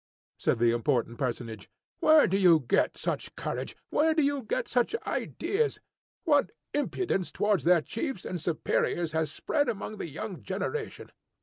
said the important personage. "Where did you get such courage? Where did you get such ideas? What impudence towards their chiefs and superiors has spread among the young generation!"